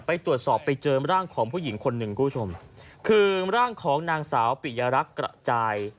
ไปตรวจสอบไปเจอร่างของผู้หญิงคนหนึ่งคุณผู้ชมคือร่างของนางสาวปิยรักษ์กระจาย